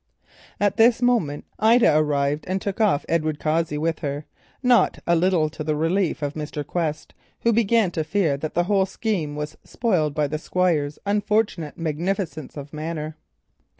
At this moment Ida arrived and took off Edward Cossey with her, not a little to the relief of Mr. Quest, who began to fear that the whole scheme was spoiled by the Squire's unfortunate magnificence of manner.